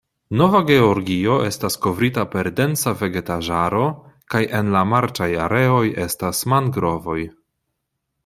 Nova Georgio estas kovrita per densa vegetaĵaro, kaj en la marĉaj areoj estas mangrovoj.